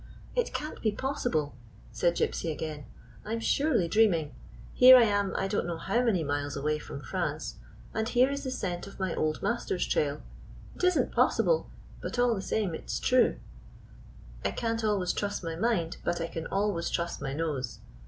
"It can't be possible," said Gypsy, again. "I am surely dreaming. Here I am — I don't know how many miles away from France — and 162 WHAT GYPSY FOUND here is the scent of my old master's trail. It is n't possible; but all the same it is true. I can't always trust my mind ; but I can always trust my nose.